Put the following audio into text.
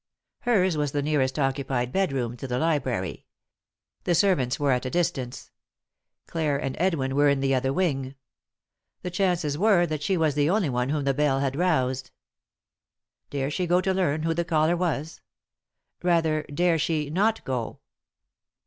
Hers was the nearest occupied bedroom to the library. The servants were at a distance ; Clare and Edwin were in the other wing. The chances were that she was the only one whom the bell had roused. Dare she go to learn who the caller was ? Rather, dare she not go?